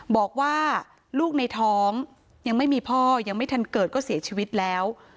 บอกว่าลูกในท้องยังไม่มีพ่อยังไม่ทันเกิดก็เสียชีวิตแล้ว